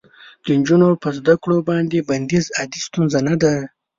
د نجونو په زده کړو باندې بندیز عادي ستونزه نه ده.